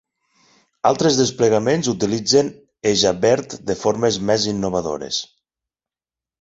Altres desplegaments utilitzen ejabberd de formes més innovadores.